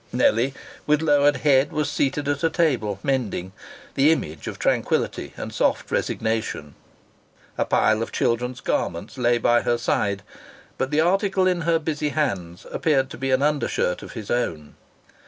Nellie, with lowered head, was seated at a table, mending, the image of tranquillity and soft resignation. A pile of children's garments lay by her side, but the article in her busy hands appeared to be an under shirt of his own.